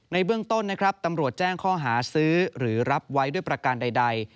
เบื้องต้นนะครับตำรวจแจ้งข้อหาซื้อหรือรับไว้ด้วยประการใด